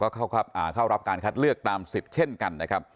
ค่าวรับการคัดเลือกตามศิษย์เช่นกันนะครับ